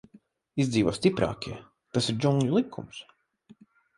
Izdzīvo stiprākie, tas ir džungļu likums.